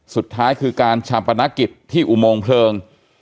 สุดท้ายคือการชาปนกิจที่อุโมงเพลิง